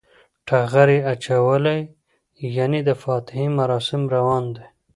ټغر یی اچولی یعنی د فاتحی مراسم روان دی